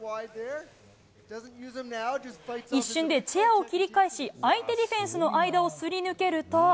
一瞬でチェアを切り返し、相手ディフェンスの間をすり抜けると。